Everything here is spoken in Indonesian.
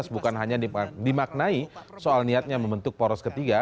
bukan hanya dimaknai soal niatnya membentuk poros ketiga